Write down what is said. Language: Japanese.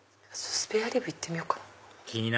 スペアリブ行ってみようかな。